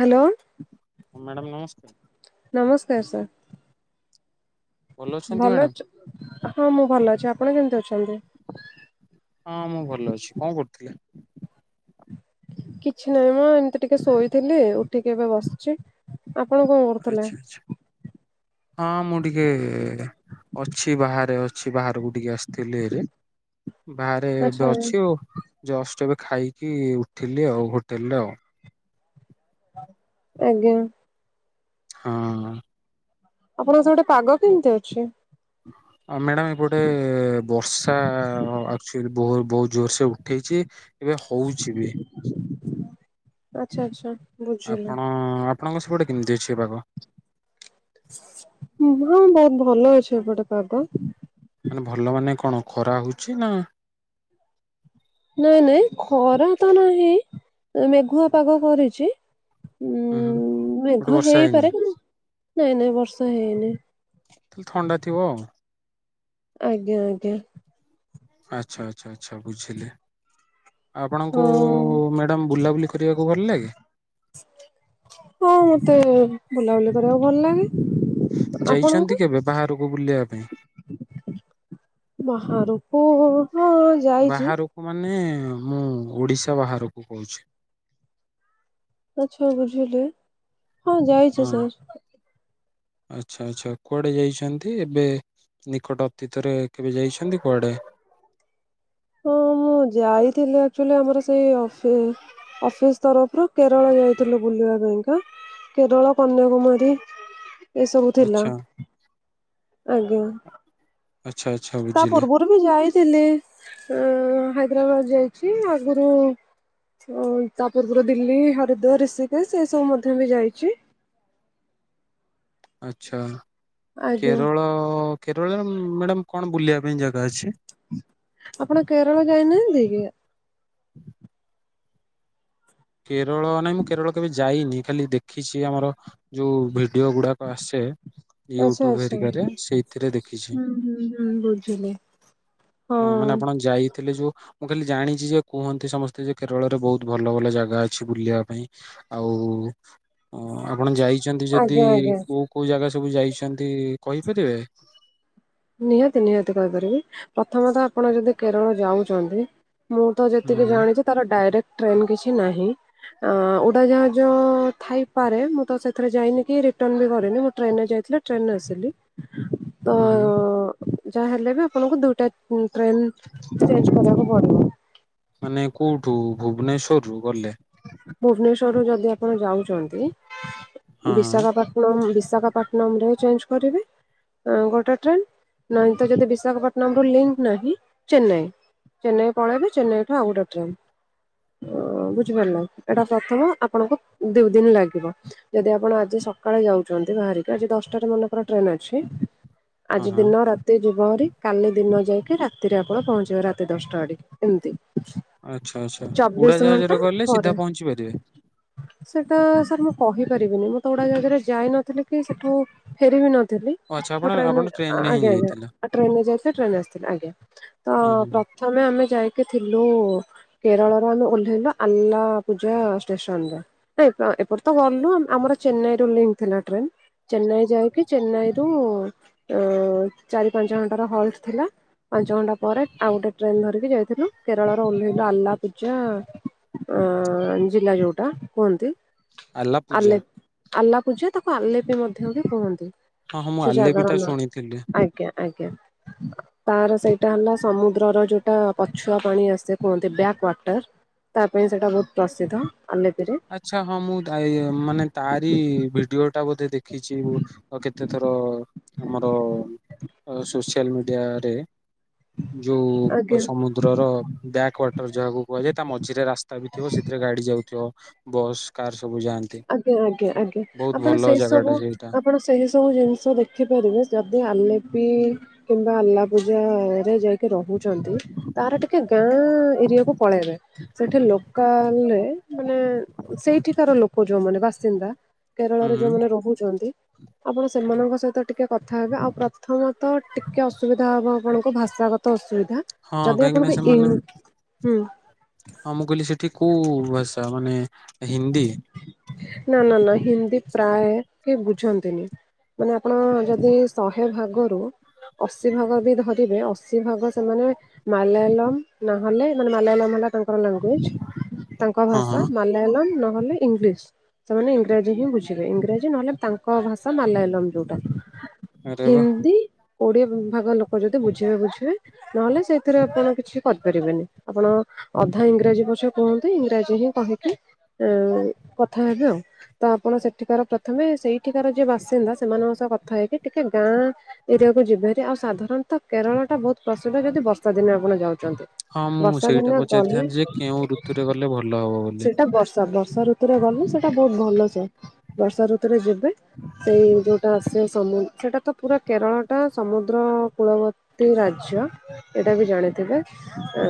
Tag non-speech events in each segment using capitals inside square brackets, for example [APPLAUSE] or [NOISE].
Hello. ହଁ madam ନମସ୍କାର। ନମସ୍କାର ସାର୍। ଅଛନ୍ତି ଭଲ ମ୍ୟାଡ଼ାମ ଅଚ ହଁ ମୁଁ ଭଲ ଅଛି ଆପଣ କେମିତି ଅଛନ୍ତି? ହଁ ମୁଁ ଭଲ ଅଛି କଣ କରୁଥିଲେ? କିଛି ନାହିଁ ମ ଏମିତି ଟିକେ ଶୋଇଥିଲି ଉଠିକି ଏବେ ବସଛି। ଆପଣ କଣ ଆଚ୍ଛା ଆଚ୍ଛା ହଁ ମୁଁ ଟିକେ ଅଛି ବାହାରେ ଅଛି ବାହାରକୁ ଟିକେ ଆସିଥିଲି ହେରି। ବାହାରେ ଏବେ ଆଚ୍ଛା ଅଛି ଆଉ ଜଷ୍ଟ ଏବେ ଖାଇକି ଉଠିଲି ଆଉ ହୋଟେଲରେ ଆଉ। ଆଜ୍ଞା। ହଁ। ଆପଣଙ୍କ ସେପଟେ ପାଗ କେମିତି ଅଛି? ହଁ ମ୍ୟାଡାମ ଏପଟେ ବର୍ଷା ଆକଚୁଆଲି ବହୁତ ବହୁତ ଜୋର ସେ ଉଠେଇଛି। ଏବେ ହଉଛି ବି। ଆଚ୍ଛା ଆଚ୍ଛା। ବୁଝିଲି। ଆପଣ ଆପଣଙ୍କ ସେପଟେ କେମିତି ଅଛି ଏ ପାଗ? ହଁ ବହୁତ ଭଲ ଅଛି ଏପଟେ ପାଗ। ମାନେ ଭଲ ମାନେ କଣ ଖରା ହେଉଛି ନା। ନାଇଁ ନାଇଁ ଖରା ତ ନାହିଁ ଏ ମେଘୁଆ ପାଗ କରିଛି। ହୁଁ ହୁଁ ଉଁ ଗୋଟେ ମେଘ ବର୍ଷା ହେଇନି? ହେଇପାରେ ନାଇଁ ନାଇଁ ବର୍ଷା ହେଇନି। ତାହେଲେ ଥଣ୍ଡା ଥିବ ଆଉ। ଆଜ୍ଞା ଆଜ୍ଞା। ଆଚ୍ଛା ଆଚ୍ଛା ଆଚ୍ଛା ବୁଝିଲି। ଆପଣଙ୍କୁ ହଁ ମ୍ୟାଡ଼ାମ ବୁଲାବୁଲି କରିବାକୁ ଭଲ ଲାଗେ? ହଁ ମତେ ବୁଲାବୁଲି କରିବାକୁ ଭଲ ଲାଗେ। ଯାଇଛନ୍ତି କେବେ ବାହାରକୁ ବୁଲିବା ପାଇଁ? ବାହାରୁକୁ ହଁ। ଯାଇଛି ବାହାରକୁ ମାନେ ମୁଁ ଓଡିଶା ବାହାରକୁ କହୁଛି। ଆଚ୍ଛା ବୁଝିଲି ହଁ ହଁ। ଯାଇଛି ସାର୍। ଆଚ୍ଛା ଆଚ୍ଛା କୁଆଡେ ଯାଇଛନ୍ତି ଏବେ ନିକଟ ଅତୀତରେ କେବେ ଯାଇଛନ୍ତି କୁଆଡେ? ହଁ ମୁଁ ଯାଇଥିଲି ଆକଚୁଲି ଆମର ସେଇ ଅଫିସ ଅଫିସ ତରଫରୁ କେରଳ ଯାଇଥିଲୁ ବୁଲିବା ପାଇଁକା। କେରଳ କନ୍ୟାକୁମାରୀ ଏସବୁ ଥିଲା। ଆଚ୍ଛା ଆଜ୍ଞା। ଆଚ୍ଛା ଆଚ୍ଛା ବୁଝିଲି। ଆ ମୁଁ ଯାଇଥିଲି ଅଁ ହାଇଦ୍ରାବାଦ ଯାଇଛି ଆଗରୁ। ଓ ତାପରେ ପୁରା ଦିଲ୍ଲୀ ହରିଦ୍ୱାର ରିଷିକେଶ ଏଇ ସବୁ ମଧ୍ୟ ବି ଯାଇଛି। ଆଚ୍ଛା ଆଜ୍ଞା କେରଳ କେରଳରେ ମ୍ୟାଡ଼ାମ୍ କଣ ବୁଲିବା ପାଇଁ ଜାଗା ଅଛି? ଆପଣ କେରଳ ଯାଇନାହାନ୍ତି କି? କେରଳ ନାଇଁ ମୁଁ କେରଳ କେବେ ଯାଇନି ଖାଲି ଦେଖିଛି ଆମର ଯୋଉ ଭେ ଭିଡ଼ିଓ ଗୁଡ଼ାକ ଆସେ। ଆଚ୍ଛା ୟୁଟ୍ୟୁବ ଆଚ୍ଛା। ହେରିକାରେ ସେଇଥିରେ ଦେଖିଛି। ହୁଁ ହୁଁ ହୁଁ ବୁଝିଲି ହଁ ମାନେ ଆପଣ ଯାଇ ଥିଲେ ଯୋଉ ମୁଁ ଖାଲି ଜାଣିଛି ଯେ କୁହନ୍ତି ସମସ୍ତେ ଯେ କେରଳରେ ବହୁତ ଭଲ ଭଲ ଜା ଜାଗା ଅଛି ବୁଲିବା ପାଇଁ ଆଉ ଉଁ ଆପଣ ଯାଇଛନ୍ତି ଯଦି ଆଜ୍ଞା ଆଜ୍ଞା। କୋଉ କୋଉ ଜାଗା ସବୁ ଯାଇଛନ୍ତି କହିପାରିବେ? ନିହାତି ନିହାତି କହିପାରିବି ପ୍ରଥମତଃ ଆପଣ ଯଦି କେରଳ ଯାଉଛନ୍ତି ମୁଁ ତ ହୁଁ ଯେତିକି ହୁଁ ଜାଣିଛି ତାର ଡାଇରେକ୍ଟ ଟ୍ରେନ କିଛି ନାହିଁ। ଆଁ ଉଡାଜାହାଜ ଥାଇପାରେ ମୁଁ ତ ସେଥିରେ ଯାଇନି କି ରିଟର୍ନ ବି କରିନି ମୁଁ ଟ୍ରେନରେ ଯାଇଥିଲ ଟେନ୍ ରେ ଆସିଲି। ତ ହୁଁ ହୁଁ ଯାହା ହେଲେ ବି ଆପଣଙ୍କୁ ଦୁଇଟା ଟ୍ରେନ ଚେଞ୍ଜ କରିବାକୁ ପଡ଼ିବ। ମାନେ କୋଉଠୁ ଭୁବନେଶ୍ଵର ରୁ ଗଲେ? ଭୁବନେଶ୍ଵରରୁୁ ଯଦି ଆପଣ ଯାଉଛନ୍ତି ହଁ ହଁ ବିଶାଖାପାଟ ପାଟନାମ -ବିଶାଖାପାଟନମ ରେ ଚେଞ୍ଜ କରିବେ। ହ ଗୋଟେ ଟ୍ରେନ ନାହିଁ ତ ଯଦି ବିଶାଖାପଟନମ ରୁ ଲିଙ୍କ ନାହିଁ ଚେନ୍ନାଇ। ଚେନ୍ନାଇ ପଳେଇବେ ଚେନ୍ନାଇ ଠୁ ଆଉ ଗୋଟେ ଟ୍ରେନ। ବୁଝିପାରିଲେ ଏଇଟା ପ୍ରଥମ ଆପଣଙ୍କୁ ଦି ଦିନ ଲାଗିବ। ଯଦି ଆପଣ ଆଜି ସକାଳେ ଯାଉଛନ୍ତି ବାହାରିକି ଆଜି ଦଶଟାରେ ମନେକର ଟ୍ରେନ ଅଛି। ହଁ ଆଜି ହଁ। ଦିନ ରାତି ଯିବି ହେରି କାଲି ଦିନ ଯାଇକି ରାତିରେ ଆପଣ ପହଞ୍ଚିବ ରାତି ଦଶଟା ଆଡ଼େ ହେମିତି। ଆଚ୍ଛା, ଆଚ୍ଛା, ଉଡ଼ାଜାହାଜରେ ଗଲେ ପରେ ସିଧା ପହଞ୍ଚି ପାରିବେ? ସେଟା ସାର୍ ମୁଁ କହିପାରିବିନି ମୁଁ ତେ ଉଡ଼ାଜାହାଜରେ ଯାଇନଥିଲି କି ସେଠୁ ଫେରି ବି ନଥିଲି ଓ ଆଚ୍ଛା ଆପଣ ମୁ ଆପଣ ଟ୍ରେନରେ ଟ୍ରେନ ରେ ହିଁ ଆଜ୍ଞା, ଆଜ୍ଞା। ଯାଇଥିଲେ। ଟ୍ରେନରେ ଯାଇଥିଲେ ଟ୍ରେନରେ ଆସିଥିଲି ଆଜ୍ଞା ତ ହୁଁ ହୁଁ ପ୍ରଥମେ ଆମେ ଯାଇକି ଥିଲୁ କେରଳର ଆମେ ଉ ଅଲା -ପୂଜା ଷ୍ଟେସନରେ। ନାଇଁ ଏପଟତ ଗଲୁ ଆମର ଚେନ୍ନାଇରୁ ଲିଙ୍କ ଥିଲା ଟ୍ରେନ୍। ଚେନ୍ନାଇ ଯାଉକି ଚେନ୍ନାଇରୁ ଉ ଚାରି ପାଞ୍ଚ ଘଣ୍ଟାର ହଲ୍ଟ ଥିଲା। ପାଞ୍ଚ ଘଣ୍ଟା ପରେ ଆଉ ଗୋଟେ ଟ୍ରେନ୍ ଧରିକି ଯାଇଥିଲୁ କେରଳର ଓହ୍ଲେଇଲୁ ଆଲ୍ଲାପୂଜା ଅ ଜିଲ୍ଲା ଯୋଉଟା କୁହନ୍ତି ଆଲା ପୂଜା ଆଲେ ଆଲ୍ଲାପୂଜା ତାକୁ ଆଲେପି ମଧ୍ୟ ବି କୁହନ୍ତି ହଁ ହଁ ମୁଁ ସେ ଆଲେପିଠା ଜାଗାର ନାଁ ଶୁଣିଥିଲି। ଆ ଜ୍ଞା ଆଜ୍ଞା। [INAUDIBLE] ତାର ସେଇଟା ହେଲା ସମୁଦ୍ରର ଯୋଉଟା ପଛୁଆ ପାଣି ଆସେ କୁହନ୍ତି ବ୍ୟାକ ୱାଟର। ତା ପାଇଁ ସେଇଟା ବହୁତ୍ ପ୍ରସିଦ୍ଧ ଆଲେପିରେ। ଆଛା ହଁ ମୁଁ ତାଇଏ ମାନେ ତାରି ଭିଡ଼ଓ ଟା ବୋଧେ ଦେଖିଛି ଓ ଆଉ କେତେଥର ଆମର ଅ ସୋସିଆଲ ମିଡ଼ିଆରେ ଯୋଉ ପ ଆଜ୍ଞା। ସମୁ ଦ୍ରରର ବ୍ୟାକ୍ ୱାଟର ଯାହାକୁ କୁହାଯାଏ ତା ମଝିରେ ରାସ୍ତା ବି ଥିବ ସେଥିରେ ଗାଡ଼ି ଯାଉଥିବ। ବସ୍ କାର ସବୁ ଯାଆ ଆଜ୍ଞା ଆଜ୍ଞା ଆଜ୍ଞା ଆପଣ ସେଇ ଜାଗା ସବୁ ଟା ସେଇଟା ଆପଣ ସେହି ସବୁ ଜିନିଷ ଦେଖିପାରିବେ ଯଦି ଆଲେପି କିମ୍ବା ଆଲ୍ଲା ପୂଜାରେ ଯାଇକି ରହୁଚନ୍ତି। ତାର ଟିକେ ଗାଁ ଏରିଆକୁ ପଳେଇବେ। ସେଠି ଲୋକାଲରେ ମାନେ ସେଇଠିକାର ଲୋ କ ଯୋଉମାନେ ବାସିନ୍ଦା ହୁଁ କେରଳରେ ହୁଁ ଯୋଉମାନେ ରହୁଛନ୍ତି। ଆପଣ ସେମାନଙ୍କ ସହିତ ଟିକେ କଥା ହେବେ ଆଉ ପ୍ରଥମତ ଟିକେ ଅସୁବିଧା ହବ ଆପଣଙ୍କୁ ଭାଷା କ ତ ଅସୁବିଧା ହଁ ଯଦି କାହିଁକି ନା ଆପଣଙ୍କୁ ସେମାନେ ଇନ୍ ହୁଁ। ହଁ ମୁଁ କହିଲି ସେଠି କୋଉ ଭାଷା ମାନେ ହିନ୍ଦୀ? ନା ନା ନା ହିନ୍ଦୀ ପ୍ରାୟ କିଏ ବୁଝନ୍ତିନି। ମାନେ ଆପଣ ଯଦି ଶହେ ଭାଗରୁ ଅଶି ଭାଗ ବି ଧରିବେ ଅଶି ଭାଗ ସେମାନେ ମାଲାୟଲମ ନହଲେ ମାନେ ମାଆଲାୟଲମ ହେଲା ତାଙ୍କର ଲାଙ୍ଗୁଏଜ୍ ତାଙ୍କ ହଁ ଭାଷା ହଁ ମାଲୟାଲମ ନହେଲେ ଇଂଲିଶ୍ ସେମାନେ ଇଂରାଜୀ ହିଁ ବୁଝିବେ ଇଂରାଜୀ ନହେଲେ ତା ତାଙ୍କ ଭାଷା ମାଲାୟଲମ ଯୋଉଟା ଆରେ ବା ହିନ୍ଦୀ କୋଡ଼ିଏ ଭାଗ ଲୋକ ଯଦି ବୁଝିବେ ବୁଝିବେ ନହେଲେ ସେଇଥିରେ ଆପଣ କିଛି କରିପାରିବେନି ଆପଣ ଅଧା ଇଂରାଜୀ ପଛେ କିହନ୍ତି ଇଂରାଜୀ ହିଁ କହିକି ଉଁ କଥା ହେବେ ଆଉ। ତ ଆପଣ ସେଠିକାର ପ୍ରଥମେ ସେଇଠିକାର ଯିଏ ବାସିନ୍ଦା ସେମାନଙ୍କ ସହ କଥା ହେଇକି ଟିକେ ଗାଁ ଏରିଆକୁ ଯିବେ ହାରି ଆଉ ସାଧାରଣତଃ କେରଳ ଟା ବହୁତ୍ ପ୍ରସିଦ୍ଧ ଯଦି ବର୍ଷା ଦିନେ ଆପଣ ଯାଉଛନ୍ତି। ହଁ ମୁଁ ବର୍ଷା ସେଇଟା ଦିନେ ଗଲେ ପଚାରିଥାନ୍ତି ଯେ କେଉଁ ଋତୁରେ ଗଲେ ଭଲ ହବ ବୋଲି? ସେଇଟା ବର୍ଷା ଋତୁରେ ଗଲେ ସେଇଟା ବହୁତ ଭଲ ସେ ବର୍ଷା ଋତୁରେ ଯିବେ ସେଇ ଯେଉ ଟା ଆସେ ସମୁ ସେଟାତ ପୁରା କେରଳଟା ସମୁଦ୍ର କୂଳବର୍ତ୍ତୀ ରାଜ୍ୟ। ଏଇଟା ବି ଜାଣେ ତେବେ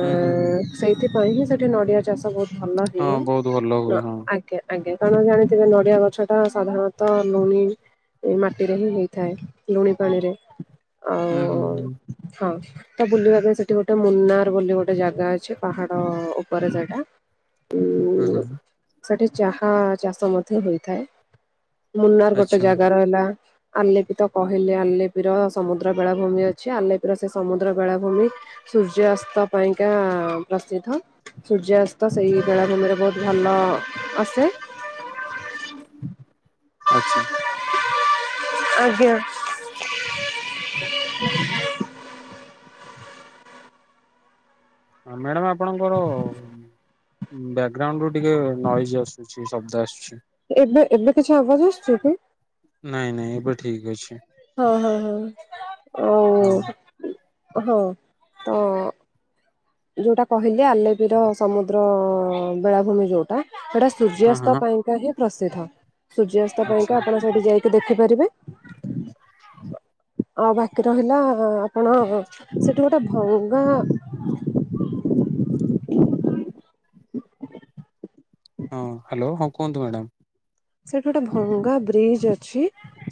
ହୁଁ ହୁଁ ହୁଁ ସେଇଥିପାଇଁ ହିଁ ସେଠି ନଡ଼ିଆ ଚାଷ ବହୁତ୍ ଭଲ ହଁ ହୁଏ। ବହୁତ ଭଲ ନ ହୁଏ ହଁ। ଆଜ୍ଞା ଆଜ୍ଞା କାରଣ ଜାଣିଥିବେ ନଡ଼ିଆ ଗଛଟା ସାଧାରଣତଃ ଲୁଣି ଏଇ ମାଟିରେ ହିଁ ହେଇଥାଏ ଲୁଣି ପାଣିରେ ହୁଁ ଆଉ ହୁଁ ହୁଁ ହଁ। ତ ବୁଲିବା ପାଇଁ ସେଠି ଗୋଟେ ମୁନାର ବୋଲି ଗୋଟେ ଜାଗା ଅଛି ପାହାଡ଼ ଉପରେ ସେଇଟା ହୁଁ ଉଁ ହୁଁଁ। ସେଠି ଚାହା ଚାଷ ମଧ୍ୟ ହୋଇଥାଏ ମୁନାର ଗୋଟେ ଆଚ୍ଛା ଜାଗା ରହିଲା ଆଲେପିତ କହିଲେ ଆଲେପିର ସମୁଦ୍ର ବେଳାଭୂମି ଅଛି ଆଲେପିର ସେ ସମୁଦ୍ର ବେଳାଭୂମି ସୂର୍ଯ୍ୟାଅସ୍ତ ପାଇଁକା ପ୍ରସିଦ୍ଧ ସୂର୍ଯ୍ୟାଅସ୍ତ ସେଇ ବେଳାଭୂମିରେ ବହୁତ ଭଲ ଅସେ। ଆଚ୍ଛା ଆଜ୍ଞା। ହଁ ମ୍ୟାଡ଼ାମ ଆପଣଙ୍କର ଉଁ ବ୍ୟାଗଗ୍ରାଉଣ୍ଡ ରୁ ଟିକେ ନଏଜ ଆସୁଛି ଶବ୍ଦ ଆସୁଛି। ଏବେ ଏବେ କିଛି ଆବାଜ ଆସୁଛି ନାଇଁ ନାଇଁ ଏବେ କି? ଠିକ ଅଛି ହଁ ହଁ ହଁ ଆଉ ହଁ ତ ଯୋଉଟା କହିଲି ଆଲେପି ର ସମୁଦ୍ର ବେଳାଭୂମି ଯୋଉଟା ସେଇଟା ହଁ ସୂର୍ଯ୍ୟାସ୍ତ ହଁ ପାଇଁକା ହିଁ ପ୍ରସିଦ୍ଧ। ସୂର୍ଯ୍ୟାସ୍ତ ଆଚ୍ଛା ପାଇଁକା ଆପଣ ସେଇଠି ଯାଇକି ଦେଖିପାରିବେ। ଆଉ ବାକି ରହିଲା ଆପଣ ସେଠି ଗୋଟେ ଭଙ୍ଗା ହଁ ହ୍ୟାଲୋ ହଁ କୁହନ୍ତୁ ମ୍ୟାଡ଼ାାମ। ସେଇଠି ଗୋଟେ ଭଙ୍ଗା ବ୍ରିଜ ଅଛି।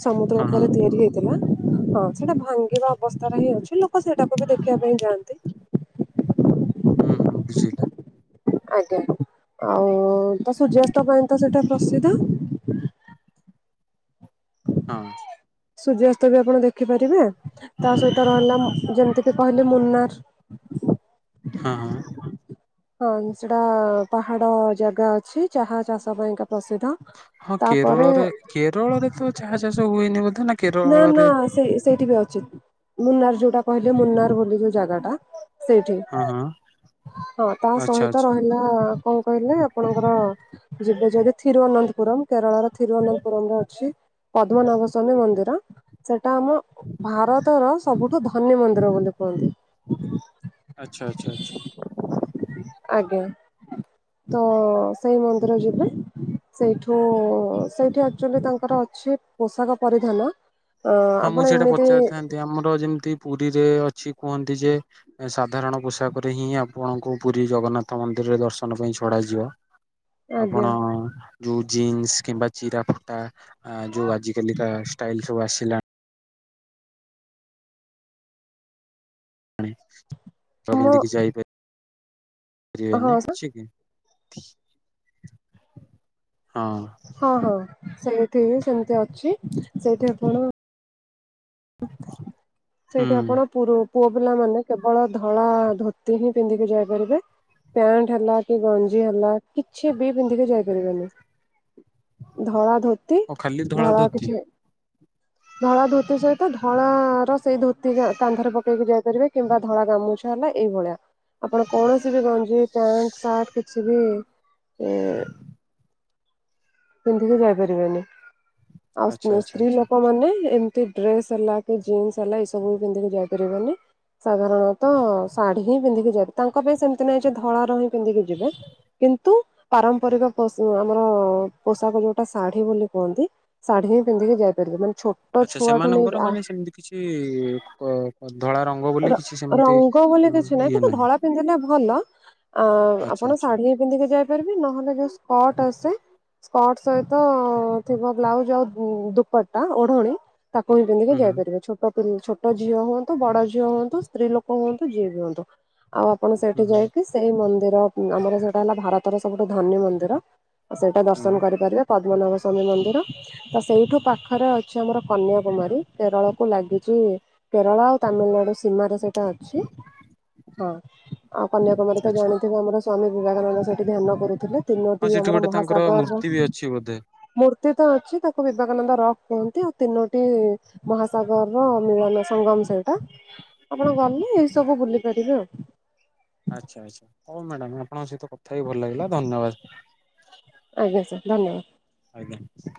ସମୁଦ୍ର ହଁ ହଁ ଉପରେ ତିଆରି ହେଇଥିଲା ହଁ। ସେଟା ଭାଙ୍ଗିବା ଅବସ୍ଥାରେ ହିଁ ଅଛି। ଲୋକ ସେଇଟାକୁ ବି ଦେଖିବା ପାଇଁ ଯାଆନ୍ତି। ହୁଁ ହୁଁ ବୁଝିଲି। ଆଜ୍ଞା ଆଉ ତ ସୂର୍ଯ୍ୟାସ୍ତ ପାଇଁ ତ ସେଇଟା ପ୍ରସିଦ୍ଧ। ହଁ। ସୂର୍ଯ୍ୟାସ୍ତ ବି ଆପଣ ଦେଖିପାରିବେ। ତା ସହିତ ରହିଲା ଯେମତିକି କହିଲେ ମୁନାର। ହଁ। ହଁ ସେଟା ପାହାଡ ଜାଗା ଅଛି ଚାହା ଚାଷ ପାଇଁକା ପ୍ରସିଦ୍ଧ। ହଁ ତାପରେ କେରଳରେ କେରଳରେ ତ ଚାହା ଚାଷ ହୁଏନି ବୋଧେ। ନା ନା ନା କେରଳରେ ସେଇ ସେଇଠି ବି ଅଛି ମୁନାର ଯୋଉଟା କହିଲେ ମୁନାର ବୋଲି ଯୋଉ ଜାଗା ଟା। ସେଇଠି ହଁ ହଁ ହଁ ତା ଆଚ୍ଛା ସହିତ ଆଚ୍ଛା ରହିଲା କଣ କହିଲେ? ଆପଣଙ୍କର ଯିବେ ଯଦି ଥିରୁଅନନ୍ତପୁରମ୍। କେରଳର ଥିରୁଅନନ୍ତପୁରମ ରେ ଅଛି ପଦ୍ମନାଭସ୍ୱାମୀ ମନ୍ଦିର। ସେଟା ଆମ ଭାରତର ସବୁଠୁ ଧନୀ ମନ୍ଦିର ବୋଲି କୁହନ୍ତି। ଆଚ୍ଛା ଆଚ୍ଛା ଆଚ୍ଛା। ଆଜ୍ଞା ତ ସେଇ ମନ୍ଦିର ଯିବେ। ସେଇଠୁ ସେଇଠି ଆକ୍ଚ୍ୟୁଲି ତାଙ୍କର ଅଛି ପୋଷାକ ପରିଧାନ। ଅ ହଁ ମୁଁ ଆପଣ ସେଇଟା ଏମିତି ପଚାରିଥାନ୍ତି ଆମର ଯେମିତି ପୁରୀରେ ଅଛି କୁହନ୍ତି ଯେ ଏଁ ସାଧାରଣ ପୋଷାକରେ ହିଁ ଆପଣଙ୍କୁ ପୁରୀ ଜଗନ୍ନାଥ ମନ୍ଦିରରେ ଦର୍ଶନ ପାଇଁ ଛଡାଯିବ। ଆଜ୍ଞା ଆପଣ ଯୋଉ ଜିନ୍ସ କିମ୍ବା ଚିରା ଫୁଟା ଆ ଯୋଉ ଆଜି କାଲିିକା ଷ୍ଟାଇଲ ସବୁ ଆସ ଆଣେ ତ ମୁଁ ପିନ୍ଧିକି ଯାଇ ହଁ ପାରିବେନି ଅଛି କି? ହଁ। ହଁ ହଁ ସେଇଠି ସେମିତି ଅଛି। ସେଇଠି ଆପଣ ସେଇଠି ହୁଁ ଆପଣ ପୁର ପୁଅ ପିଲାମାନେ କେବଳ ଧଳା ଧୋତି ହିଁ ପିନ୍ଧିକି ଯାଇପାରିବେ। ପ୍ୟାଣ୍ଟ ହେଲା କି ଗଞ୍ଜି ହେଲା କିଛି ବି ପିନ୍ଧିକି ଯାଇପାରିବନି। ଧଳା ଧୋତି ଓ ଖାଲି ଧଳା ଧୋତି କିଛି ଧଳା ଧୋତି ସହି ତ ଧଳା ର ସେଇ ଧୋତି କାନ୍ଧରେ ପକେଇକି ଯାଇପାରିବେ। କିମ୍ବା ଧଳା ଗାମୁଛା ହେଲା ଏଇଭଳିଆ। ଆପଣ କୌଣସି ବି ଗଞ୍ଜି, ପ୍ୟାଣ୍ଟ, ସାର୍ଟ କିଛି ବି ଏ ପିନ୍ଧିକି ଯାଇପାରିବେନି। ଆଉ ଆଚ୍ଛା ସ୍ତି ଆଚ୍ଛା ସ୍ତ୍ରୀ ଆଚ୍ଛା। ଲୋକ ମାନେ ଏମ ଡ୍ରେସ ହେଲା କି ଜିନ୍ସ ହେଲା ଏ ସବୁ ବି ପିନ୍ଧିକି ଯାଇପାରିବେନି। ସାଧାରଣତଃ ଶାଢ଼ୀ ହିଁ ପିନ୍ଧିକି ଯାଇ ପା ତାଙ୍କ ପାଇଁ ସେମିତି ନାହିଁ ଯେ ଧଳାର ହିଁ ପିନ୍ଧିକି ଯିବେ। କିନ୍ତୁ ପାରମ୍ପରିକ ପୋଷ ଆମର ପୋଷାକ ଯୋଉଟା ଶାଢୀ ବୋଲି କୁହନ୍ତି। ଶାଢୀ ହିଁ ପିନ୍ଧିକି ଯାଇପାରିବେ। ମାନେ ଛୋଟ ଛୁଆ ମାନଙ୍କର ମାନେ ସେମିତି କିଛି କ କ ଧଳା ରଙ୍ଗ ବୋଲି କିଛି ସେମିତି ନ ହେଲେ କିଛି ନାହିଁ କିନ୍ତୁ ଧଳା ପିନ୍ଧିଲେ ଭଲ। ଆ ଆଚ୍ଛା ଆପଣ ଆଚ୍ଛା ଶାଢୀ ପିନ୍ଧିକି ଯାଇପାରିବେ ନହେଲେ ଯୋଉ ସ୍କଟ ଆସେ। ସ୍କଟ ସହିତ ଥିବ ବ୍ଲାଉଜ ଆଉ ଦୁ ଦୁପଟା ଓଢଣୀ। ତାକୁ ବି ପିନ୍ଧିକୀ ହୁଁ ହୁଁ ଯାଇପାରିବ ଛୋଟ ହୁଁ ଛୋଟ ଝିଅ ହୁଅନ୍ତୁ ବଡ ଝିଅ ହୁଅନ୍ତୁ ସ୍ତ୍ରୀ ଲୋକ ହୁଅନ୍ତୁ ଯିଏ ବି ହୁଅନ୍ତୁ। ଆଉ ଆପଣ ସେଇଠି ହୁଁ ଯାଇକି ସେଇ ମନ୍ଦିର। ଅ ଆମର ସେଇଟା ହେଲା ଭାରତର ସବୁଠୁ ଧନୀ ମନ୍ଦିର। ସେଇଟା ଦର୍ଶନ ହୁଁ କରିପାରିବେ ପଦ୍ମନଭସ୍ୱାମୀ ମନ୍ଦିର। ତ ସେଇଠୁ ପାଖରେ ଅଛି ଆମର କନ୍ୟାକୁମାରୀ, କେରଳକୁ ଲାଗିଛି କେରଳ ଆଉ ତାମିଲନାଡ଼ୁ ସୀମାରେ ସେଇଟା ଅଛି। ହଁ ଆଉ କନ୍ୟାକୁମାରୀ ତ ଆଚ୍ଛା। ଜାଣିଥିବ। ଆମର ସ୍ଵାମୀ ବିବେକାନନ୍ଦ ସେଇଠି ଧ୍ୟାନ କରୁଥିଲେ। ହଁ ତିନୋଟି ସେଠି ଆମର ଗୋଟେ ତାଙ୍କର ମହାସାଗର ମୂର୍ତ୍ତି ବି ର ଅଛି ବୋଧେ। ମୂର୍ତ୍ତି ତ ଅଛି ତାକୁ ବିବେକାନନ୍ଦ ରକ୍ କୁହନ୍ତି। ତିନୋଟି ମହାସାଗର ର ମିଳନ ସଙ୍ଗମ ସେଇଟା। ଆପଣ ଗଲେ ଏଇ ସବୁ ବୁଲି ପାରିବେ ଆଉ। ଆଚ୍ଛା ଆଚ୍ଛା, ହଉ ମ୍ୟାଡ଼ାମ ଆପଣଙ୍କ ସହିତ କଥା ହେଇକି ଭଲ ଲାଗିଲା ଧନ୍ୟବାଦ। ଆଜ୍ଞା ସାର୍ ଧନ୍ୟବାଦ। ଆଜ୍ଞା।